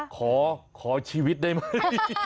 ขอขอชีวิตได้มั้ย